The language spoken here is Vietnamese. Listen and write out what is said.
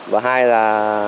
và hai là